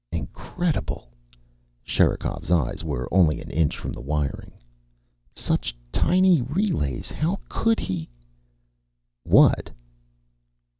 "Incredible." Sherikov's eyes were only an inch from the wiring. "Such tiny relays. How could he " "What?"